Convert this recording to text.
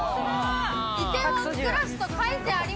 『梨泰院クラス』と書いてあります。